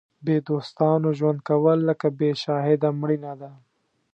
بې دوستانو ژوند کول لکه بې شاهده مړینه ده.